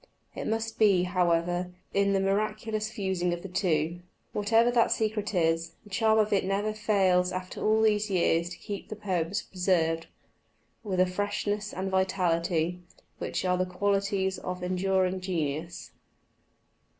It must be, however, in the miraculous fusing of the two. Whatever that secret is, the charm of it never fails after all these years to keep the poems preserved with a freshness and vitality, which are the qualities of enduring genius.